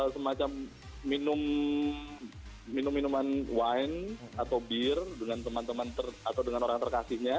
semacam minum minuman wine atau bear dengan teman teman atau dengan orang terkasihnya